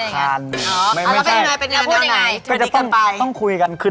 คุยแล้วเราหักอกยังไง